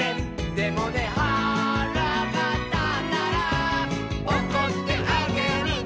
「でもねはらがたったら」「おこってあげるね」